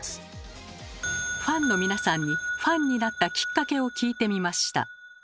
ファンの皆さんにファンになったきっかけを聞いてみました。